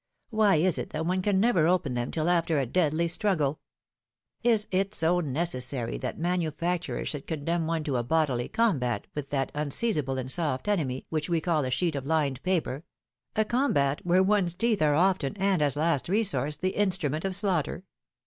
Why is it that one can never open them till after a deadly struggle ? Is it so necessary that manufacturers should condemn one to a bodily combat with that unseizable and soft enemy, which we call a sheet of lined paper — a combat, where one's teeth are often, and as last resource, the instrument of slaughter?